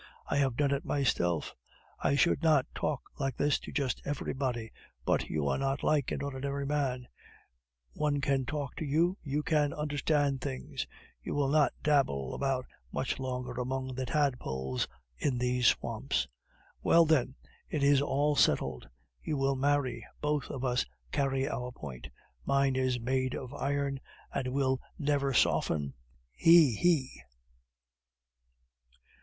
I have done it myself. I should not talk like this to just everybody, but you are not like an ordinary man; one can talk to you, you can understand things. You will not dabble about much longer among the tadpoles in these swamps. Well, then, it is all settled. You will marry. Both of us carry our point. Mine is made of iron, and will never soften, he! he!"